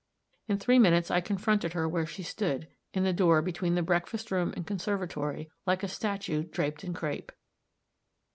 In three minutes I confronted her where she stood, in the door between the breakfast room and conservatory, like a statue draped in crape.